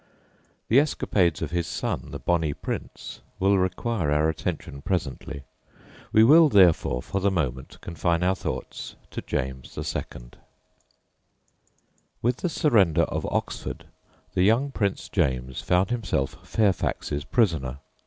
The escapades of his son the "Bonnie Prince" will require our attention presently; we will, therefore, for the moment confine our thoughts to James II. With the surrender of Oxford the young Prince James found himself Fairfax's prisoner.